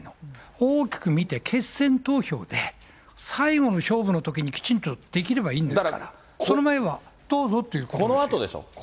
大きく見て、決選投票で、最後の勝負のときにきちんとできればいいんですから、その前は、このあとでしょ。